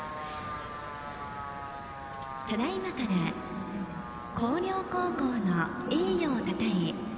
ただいまから広陵高校の栄誉をたたえ